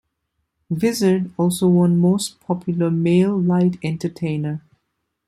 Vizard also won Most Popular Male Light Entertainer.